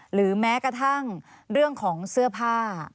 หรือแม้กระทั่งเรื่องของเสื้อผ้า